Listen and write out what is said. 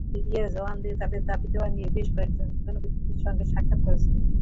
BDR জওয়ানেরা তাঁদের দাবিদাওয়া নিয়ে বেশ কয়েকজন জনপ্রতিনিধির সঙ্গে সাক্ষাত্ করেছিলেন।